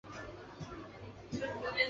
东塔的历史年代为明。